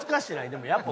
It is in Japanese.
でもやっぱ。